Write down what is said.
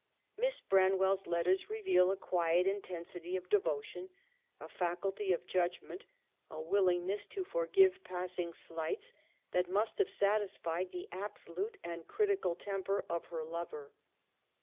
Miss Branwell's letters reveal a quiet intensity of devotion, a faculty of judgment, a willingness to forgive passing slights, that must have satisfied the absolute and critical temper of her lover.